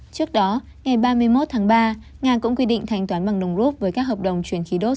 trước đó ngày ba mươi một tháng ba nga cũng quy định thanh toán bằng đồng rút với các hợp đồng chuyển khí đốt